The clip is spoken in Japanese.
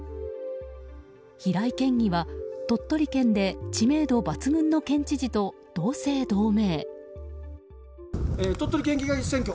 平井県議は、鳥取県で知名度抜群の県知事と同姓同名。